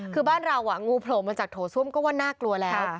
คือบ้านเรางูโผล่มาจากโถส้มก็ว่าน่ากลัวแล้ว